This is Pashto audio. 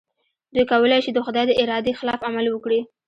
دوی کولای شي د خدای د ارادې خلاف عمل وکړي.